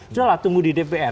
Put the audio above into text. sudahlah tunggu di dpr